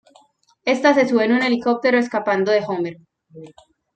Ésta se sube a un helicóptero, escapando de Homer.